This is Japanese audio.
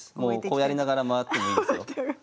こうやりながら回ってもいいですよ。